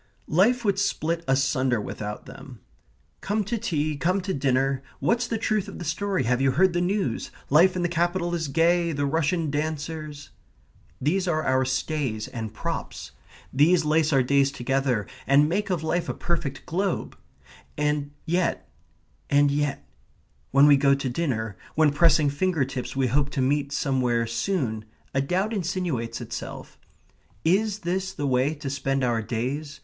Life would split asunder without them. "Come to tea, come to dinner, what's the truth of the story? have you heard the news? life in the capital is gay; the Russian dancers...." These are our stays and props. These lace our days together and make of life a perfect globe. And yet, and yet ... when we go to dinner, when pressing finger tips we hope to meet somewhere soon, a doubt insinuates itself; is this the way to spend our days?